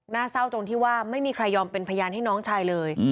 เศร้าตรงที่ว่าไม่มีใครยอมเป็นพยานให้น้องชายเลย